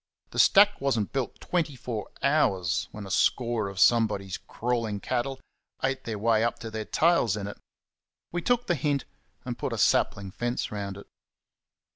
The stack was n't built twenty four hours when a score of somebody's crawling cattle ate their way up to their tails in it. We took the hint and put a sapling fence round it.